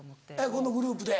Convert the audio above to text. このグループで。